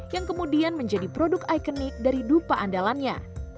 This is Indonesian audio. yang kemudian menjadi produk ikonik dari dupa andalannya